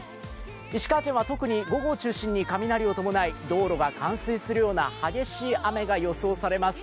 石川県は特に午後を中心に雷を伴い道路が冠水するような激しい雨が予想されます。